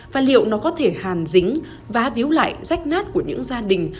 và liệu nó có thể hàn dính vá víu lại rách nát của những gia đình